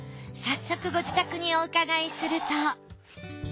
早速ご自宅にお伺いすると。